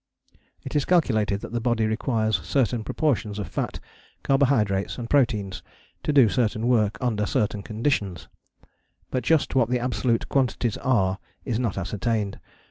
It is calculated that the body requires certain proportions of fat, carbohydrates and proteins to do certain work under certain conditions: but just what the absolute quantities are is not ascertained.